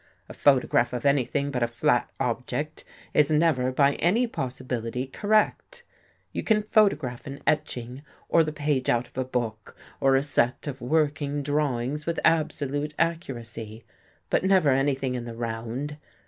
A photograph of anything but a flat object is never by any possibility 65 THE GHOST GIRL correct. You can photograph an etching, or the page out of a book, or a set of working drawings, with absolute accuracy, but never anything in the round.